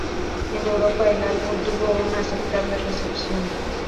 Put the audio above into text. En Europa, el álbum tuvo una aceptable recepción.